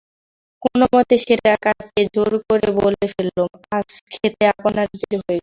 কোনোমতে সেটা কাটিয়ে জোর করে বলে ফেললুম, আজ খেতে আপনার দেরি হয়ে গেল।